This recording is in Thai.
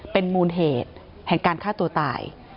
เป็นมูลเหตุแห่งการฆ่าตัวตาย